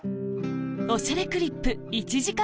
『おしゃれクリップ』１時間